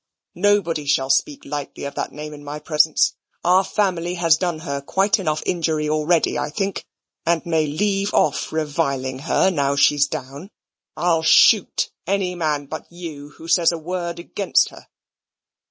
Nobody shall speak lightly of that name in my presence. Our family has done her quite enough injury already, I think, and may leave off reviling her now she's down. I'll shoot any man but you who says a word against her."